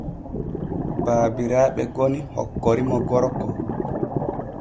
Babiraaɓe goni hokkoriimo gorko.